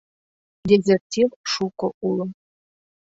Дезертир шуко уло...